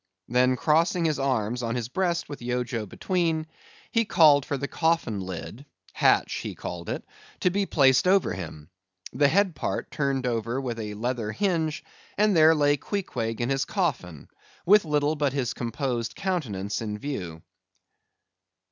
Then crossing his arms on his breast with Yojo between, he called for the coffin lid (hatch he called it) to be placed over him. The head part turned over with a leather hinge, and there lay Queequeg in his coffin with little but his composed countenance in view.